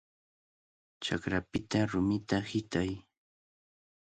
¡Chakrapita rumita hitay!